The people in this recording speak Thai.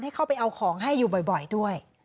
เข้าไปเอาของให้อยู่บ่อยด้วย